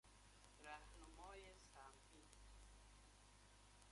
راهنمای سهمی